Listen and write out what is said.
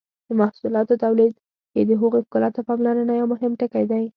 د محصولاتو تولید کې د هغوی ښکلا ته پاملرنه یو مهم ټکی دی.